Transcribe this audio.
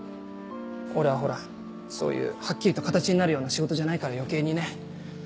俺はほらそういうハッキリと形になるような仕事じゃないから余計にね。